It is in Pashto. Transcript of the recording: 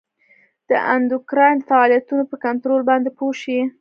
د اندوکراین د فعالیتونو په کنترول باندې پوه شئ.